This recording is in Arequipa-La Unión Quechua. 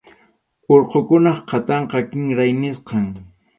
Urqukunap qhatanqa kinray nisqam.